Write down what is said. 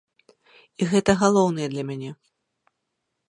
І гэта галоўнае для мяне.